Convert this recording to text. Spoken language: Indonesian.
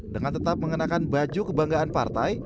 dengan tetap mengenakan baju kebanggaan partai